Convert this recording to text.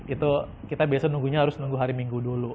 itu kita biasa nunggunya harus nunggu hari minggu dulu